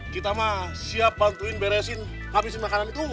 kita mah siap bantuin beresin habisin makanan itu